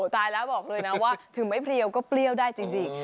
ตายแล้วบอกเลยนะว่าถึงไม่เพลียวก็เปรี้ยวได้จริง